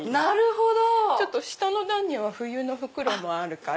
下の段には冬の袋もあるから。